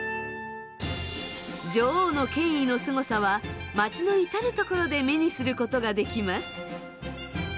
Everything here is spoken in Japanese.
女王の権威のすごさは街の至る所で目にすることができます。